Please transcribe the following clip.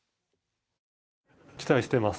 期待してます。